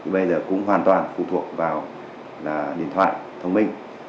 bây giờ cũng hoàn toàn phụ thuộc vào là điện thoại thông minh